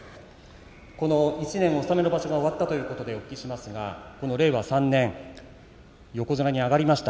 １年納めの場所が終わったということでお聞きしますけれど令和３年、横綱に上がりました。